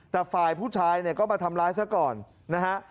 แต่ฝ่ายผู้ชายเนี่ยก็มาทำร้ายซะก่อนนะฮะ